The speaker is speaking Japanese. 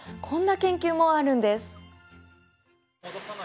こんな研究もあるんです。